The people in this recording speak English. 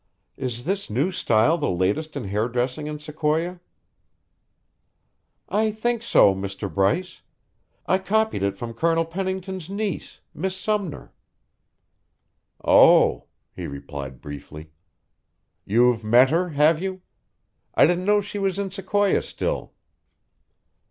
Is this new style the latest in hairdressing in Sequoia?" "I think so, Mr. Bryce. I copied it from Colonel Pennington's niece, Miss Sumner." "Oh," he replied briefly. "You've met her, have you? I didn't know she was in Sequoia still."